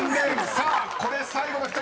さあこれ最後の１人。